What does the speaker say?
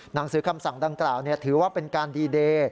หนังสือคำสั่งดังกล่าวถือว่าเป็นการดีเดย์